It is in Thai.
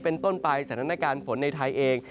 เป็นต้นไปสถานการณ์ฝนในไทยเอง